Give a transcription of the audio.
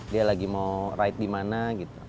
dia lagi mau ride di mana gitu